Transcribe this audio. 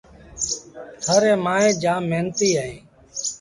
ٿر ريٚݩ مائيٚݩ جآم مهنتيٚ اهيݩ